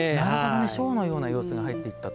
ショーのような要素が入っていったと。